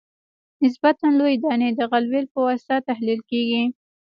نسبتاً لویې دانې د غلبیل په واسطه تحلیل کیږي